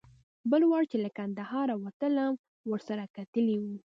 بل وار چې له کندهاره وتلم ورسره کتلي و.